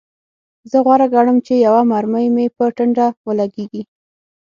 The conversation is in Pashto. زه غوره ګڼم چې یوه مرمۍ مې په ټنډه ولګیږي